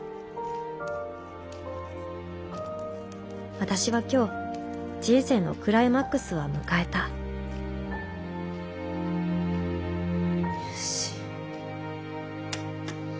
私は今日人生のクライマックスは迎えたよし。